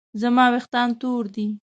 زما ویښتان تور دي